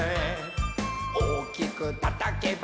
「おっきくたたけば」